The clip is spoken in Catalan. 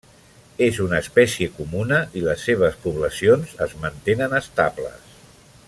És una espècie comuna i les seves poblacions es mantenen estables.